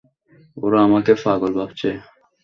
ওরা আমাকে পাগল ভাবছে।